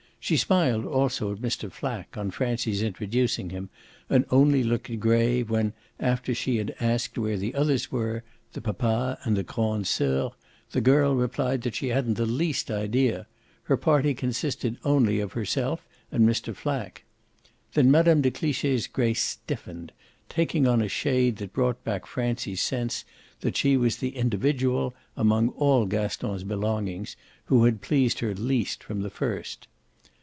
She smiled also at Mr. Flack, on Francie's introducing him, and only looked grave when, after she had asked where the others were the papa and the grande soeur the girl replied that she hadn't the least idea: her party consisted only of herself and Mr. Flack. Then Mme. de Cliche's grace stiffened, taking on a shade that brought back Francie's sense that she was the individual, among all Gaston's belongings, who had pleased her least from the first.